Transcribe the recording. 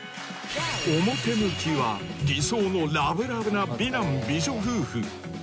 表向きは理想のラブラブな美男美女夫婦